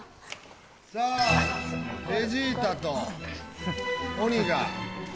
さあベジータと鬼が。